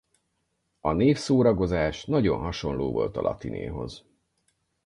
A névszóragozás nagyon hasonló volt a latinéhoz.